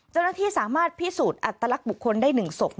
เจ้าหน้าที่สามารถพิสูจน์อัตลักษณ์บุคคลได้๑ศพ